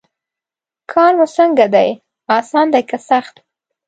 کار مو څنګه دی اسان دی که سخت.